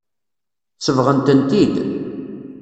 Sebɣent-tent-id.